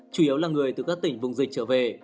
chủ yếu là người từ các tỉnh vùng dịch trở về